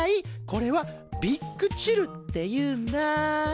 これはビッグチルっていうんだ。